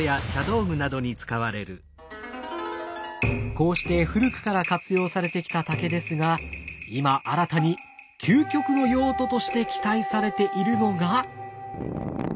こうして古くから活用されてきた竹ですが今新たに究極の用途として期待されているのが。